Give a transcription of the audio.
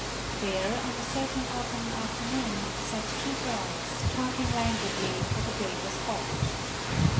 There, on a certain autumn afternoon, sat two girls, talking languidly, for the day was hot.